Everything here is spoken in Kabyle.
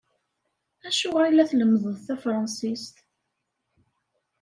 Acuɣer i la tlemmdeḍ tafṛansit?